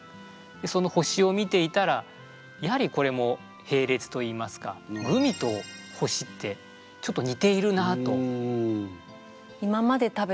でその星を見ていたらやはりこれも並列といいますかグミと星ってちょっとにているなあと。